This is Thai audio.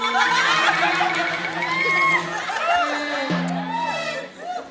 อืม